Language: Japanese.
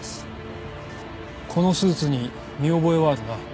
このスーツに見覚えはあるな？